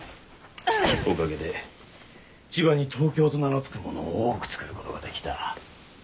おかげで千葉に東京と名の付くものを多くつくることができた。